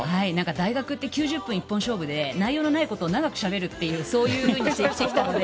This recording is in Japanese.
大学って９０分一本勝負で内容のないことを長くしゃべるというふうに生きてきたので